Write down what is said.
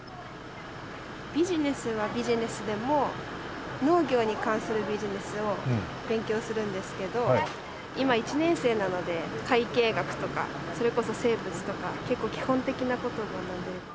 ビジネスはビジネスでも農業に関するビジネスを勉強するんですけど今１年生なので会計学とかそれこそ生物とか結構基本的な事を学んでいます。